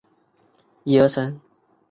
也结束的航点也会展示在这页面。